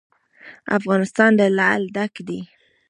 افغانستان له لعل ډک دی.